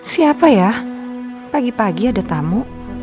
siapa ya pagi pagi ada tamu